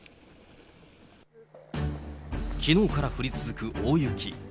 きのうから降り続く大雪。